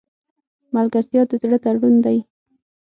ملګرتیا د زړه تړون دی.